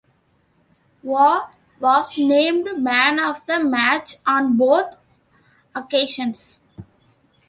Waugh was named man of the match on both occasions.